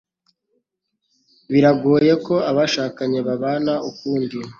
biragoye ko abashakanye babana ukundi